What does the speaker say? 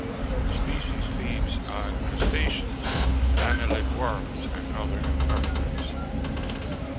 The species feeds on crustaceans, annelid worms, and other invertebrates.